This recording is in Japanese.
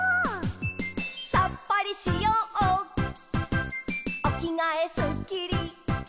「さっぱりしようおきがえすっきり」